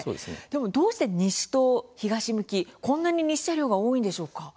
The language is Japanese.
でも、どうして西と東向きこんなに日射量が多いんでしょうか？